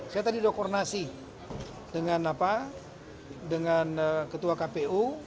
saya tadi dekornasi dengan ketua kpu